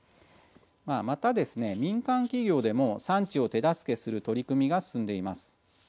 また、民間企業でも産地を手助けする取り組みが進んでいます。